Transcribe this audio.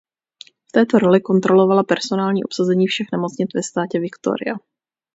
V této roli kontrolovala personální obsazení všech nemocnic ve státě Victoria.